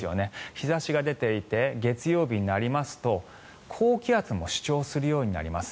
日差しが出ていて月曜日になりますと高気圧も主張するようになります。